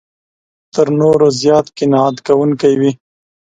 تر نورو زیات قناعت کوونکی وي.